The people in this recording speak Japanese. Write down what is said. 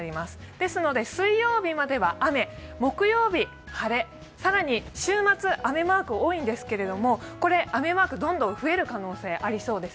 ですので、水曜日までは雨、木曜日晴れ、さらに、週末、雨マーク多いんですけど雨マークが増える可能性ありそうです。